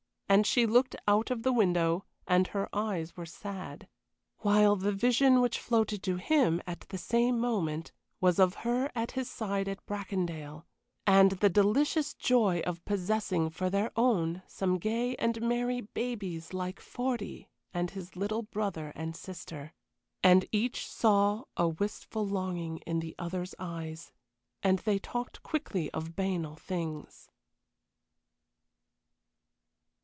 And she looked out of the window, and her eyes were sad. While the vision which floated to him at the same moment was of her at his side at Bracondale, and the delicious joy of possessing for their own some gay and merry babies like Fordy and his little brother and sister. And each saw a wistful longing in the other's eyes, and they talked quickly of banal things.